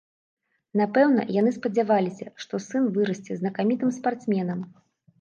Напэўна, яны спадзяваліся, што сын вырасце знакамітым спартсменам.